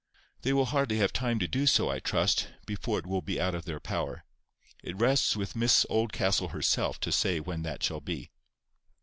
"They will hardly have time to do so, I trust, before it will be out of their power. It rests with Miss Oldcastle herself to say when that shall be."